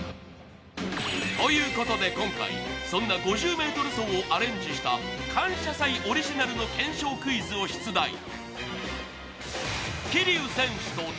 ということで今回、そんな５０ｍ走をアレンジした感謝祭オリジナルの検証クイズを出題。